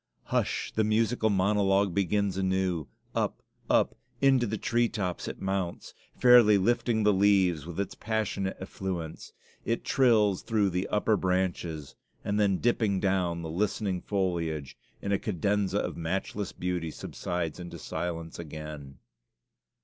Hush! the musical monologue begins anew; up, up into the tree tops it mounts, fairly lifting the leaves with its passionate effluence, it trills through the upper branches and then dripping down the listening foliage, in a cadenza of matchless beauty, subsides into silence again.